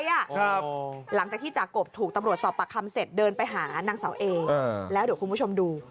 หลังจากที่จากกบถูกตำรวจสอบปากคำเสร็จเดินไปหานางเสาเอแล้วเดี๋ยวคุณผู้ชมดู